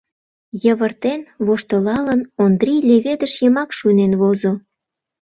Йывыртен, воштылалын, Ондрий леведыш йымак шуйнен возо.